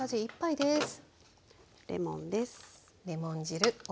レモンです。